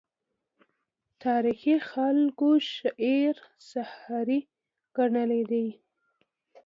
تاریخي خلکو شعر سحر ګڼلی دی.